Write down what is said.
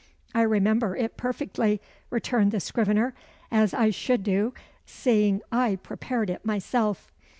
"I remember it perfectly," returned the scrivener, "as I should do, seeing I prepared it myself."